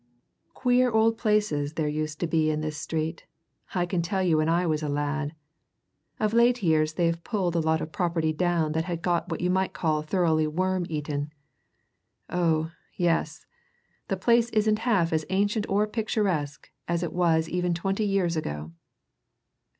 Queer old places there used to be in this street, I can tell you when I was a lad! of late years they've pulled a lot of property down that had got what you might call thoroughly worm eaten oh, yes, the place isn't half as ancient or picturesque as it was even twenty years ago!"